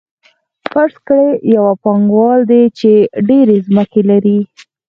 فرض کړئ یو پانګوال دی چې ډېرې ځمکې لري